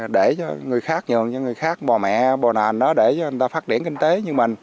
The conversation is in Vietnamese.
để cho người khác nhờ cho người khác bò mẹ bò nền đó để cho người ta phát triển kinh tế như mình